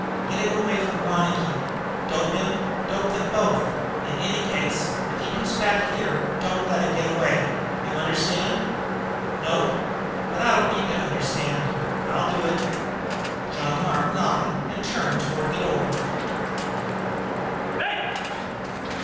Get him away from Ronicky dope him dope them both. In any case, if he comes back here, don't let him get away. You understand?" "Nope, but I don't need to understand. I'll do it." John Mark nodded and turned toward the door.